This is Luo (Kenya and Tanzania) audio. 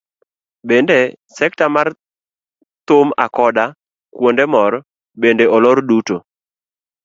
Bende sekta mar thum akoda kuonde mor bende olor duto.